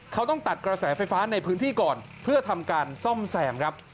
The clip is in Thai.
เขาต้องตัดกระแสไฟฟ้าในพื้นที่ก่อนเพื่อทำการซ่อมแซมครับ